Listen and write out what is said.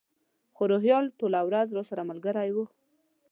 خو روهیال ټوله ورځ راسره ملګری و.